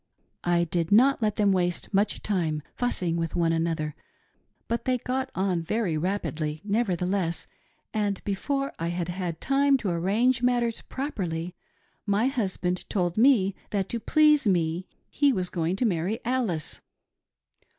"I did not let them waste much time fussing with one another, but they got on very rapidly, nevertheless ; and before: I had had time to arrange matters properly, my husbaiid told ASTONISHED AT THE CHANGE. "375 tne that to please me he was going to marry AlLfe.